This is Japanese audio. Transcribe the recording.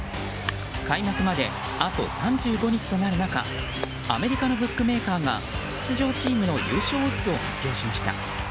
開幕まであと３５日となる中アメリカのブックメーカーが出場チームの優勝オッズを発表しました。